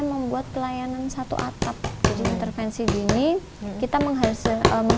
saya mengambil tandaan dari tari dan saya mengambil tandaan dari tari dan saya mengambil tandaan dari tari